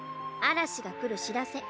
あらしがくるしらせ。